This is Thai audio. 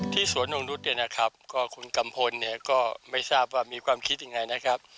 ที่สวนนกนุฏภัทยาคุณกำพลไม่ทราบว่ามีความคิดอย่างไรนะครับ